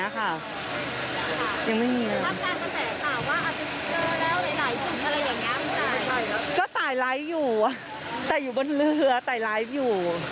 ก็ตายไลค์อยู่แต่อยู่บนเรือตายไลฟ์อยู่